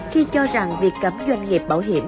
khi cho rằng việc cấm doanh nghiệp bảo hiểm